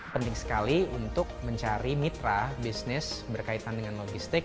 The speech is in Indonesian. penting sekali untuk mencari mitra bisnis berkaitan dengan logistik